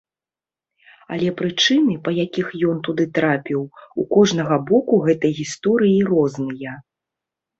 Але прычыны, па якіх ён туды трапіў, у кожнага боку гэтай гісторыі розныя.